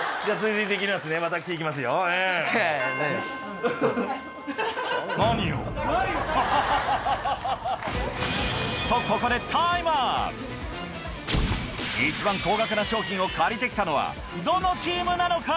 私行きますよ。とここで一番高額な商品を借りて来たのはどのチームなのか？